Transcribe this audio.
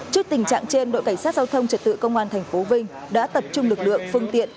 trước tình trạng trên đội cảnh sát giao thông trật tự công an tp vinh đã tập trung lực lượng phương tiện